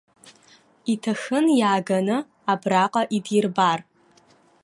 Иҭахын иааганы абраҟа идирбар.